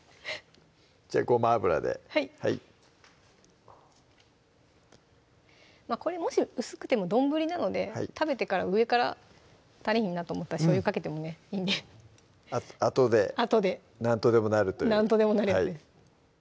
じゃあごま油でこれもし薄くても丼なので食べてから上から足りひんなと思ったらしょうゆかけてもいいんであとでなんとでもなるというなんとでもなるやつです